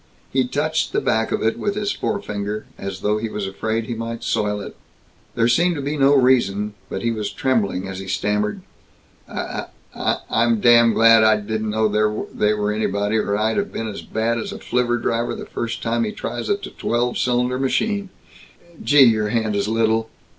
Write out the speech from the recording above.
He touched the back of it with his forefinger, as though he was afraid he might soil it. There seemed to be no reason, but he was trembling as he stammered, "I I I'm d darn glad I didn't know they were anybody, or 'd have been as bad as a flivver driver the first time he tries a t twelve cylinder machine. G gee your hand is little!"